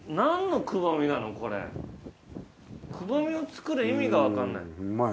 くぼみをつくる意味が分かんない。